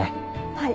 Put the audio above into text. はい。